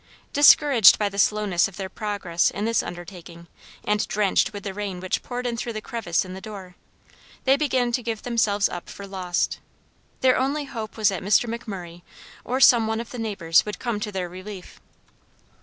Discouraged by the slowness of their progress in this undertaking, and drenched with the rain which poured in through the crevice in the door, they began to give themselves up for lost. Their only hope was that McMurray or some one of the neighbors would come to their relief.